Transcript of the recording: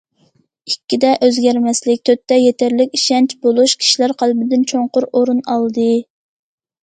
ئىككىدە ئۆزگەرمەسلىك، تۆتتە يېتەرلىك ئىشەنچ بولۇش كىشىلەر قەلبىدىن چوڭقۇر ئورۇن ئالدى.